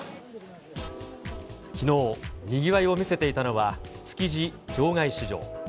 きのう、にぎわいを見せていたのは、築地場外市場。